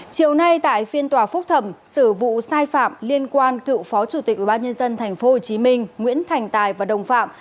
chiều nay tại phiên tòa phúc thẩm xử vụ sai phạm liên quan cựu phó chủ tịch ubnd tp hcm nguyễn thành tài và đồng phạm